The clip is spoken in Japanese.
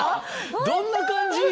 どんな感じ？